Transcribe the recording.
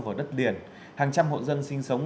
vào đất liền hàng trăm hộ dân sinh sống